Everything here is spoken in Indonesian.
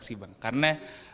sih bang karena